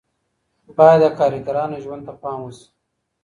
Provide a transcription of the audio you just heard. باید د کارګرانو ژوند ته پام وشي.